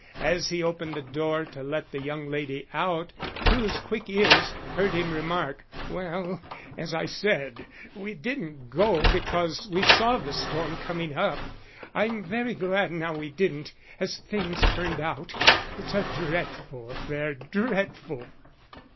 As he opened the door to let the young lady out Crewe's quick ears heard him remark: "Well, as I said, we didn't go because we saw the storm coming up. I'm very glad now we didn't, as things turned out. It's a dreadful affair dreadful."